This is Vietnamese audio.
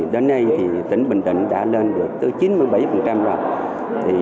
đến nay thì tỉnh bình định đã lên được tới chín mươi bảy rồi